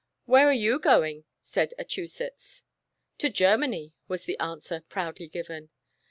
"Where are you going?" said Achusetts. "To Germany," was the answer, proudly given.